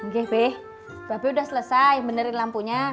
gep bapak udah selesai benerin lampunya